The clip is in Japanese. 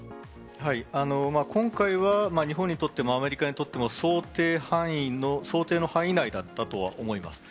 今回は日本にとってもアメリカにとっても想定の範囲内だったとは思います。